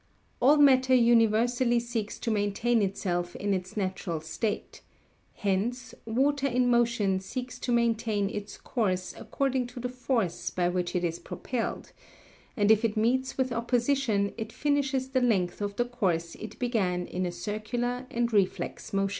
All matter universally seeks to maintain itself in its natural state; hence, water in motion seeks to maintain its course according to the force by which it is propelled, and if it meets with opposition it finishes the length of the course it began in a circular and reflex motion.